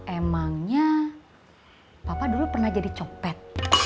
emangnya papa dulu pernah jadi copet